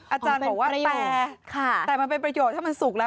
อาจารย์บอกว่าแต่มันเป็นประโยชน์ถ้ามันสุกแล้ว